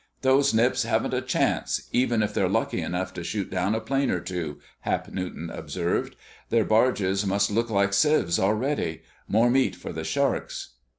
"Those Nips haven't a chance, even if they're lucky enough to shoot down a plane or two," Hap Newton observed. "Their barges must look like sieves already. More meat for the sharks!"